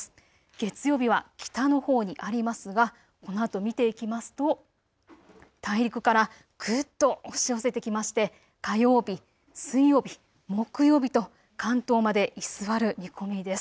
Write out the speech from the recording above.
月曜日は北のほうにありますがこのあと見ていきますと大陸からぐっと押し寄せてきまして、火曜日、水曜日、木曜日と関東まで居座る見込みです。